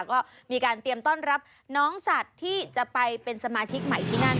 ก็มีการเตรียมต้อนรับน้องสัตว์ที่จะไปเป็นสมาชิกใหม่ที่นั่น